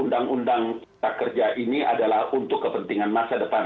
undang undang cipta kerja ini adalah wajah baru indonesia dengan angkatan muda yang lebih baik